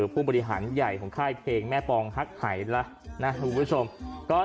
ผู้บริหารใหญ่ของค่ายเพลงแม่ปองฮักหายแล้วนะคุณผู้ชม